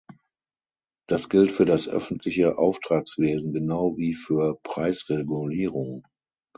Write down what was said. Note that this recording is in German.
Das gilt für das öffentliche Auftragswesen genau wie für Preisregulierung.